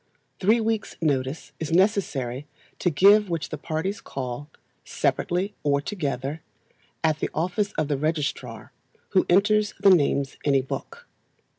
Three weeks' notice is necessary, to give which the parties call, separately or together, at the office of the registrar, who enters the names in a book.